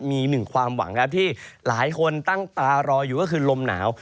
มี๑ความหวังที่หลายคนตั้งตารออยู่ก็คือลมหนาว